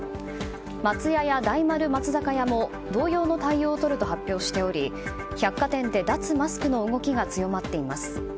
松屋や大丸松坂屋も同様の対応を取ると発表しており百貨店で脱マスクの動きが強まっています。